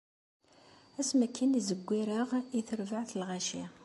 Asmi akken i zewwireɣ i terbaɛt n lɣaci.